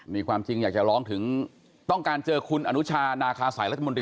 มีความจริงอยากจะร้องถึงต้องการเจอคุณอนุชานาคาสายรัฐมนตรี